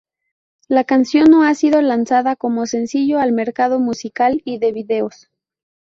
La canción no ha sido lanzada como sencillo al mercado musical y de videos.